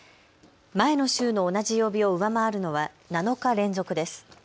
前の週の同じ曜日を上回るのは７日連続です。